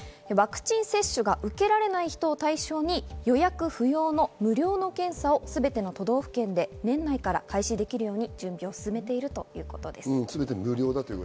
ワクチン接種が受けられない人を対象に予約不要の無料の検査をすべての都道府県で年内から開始できるようにしてるということです。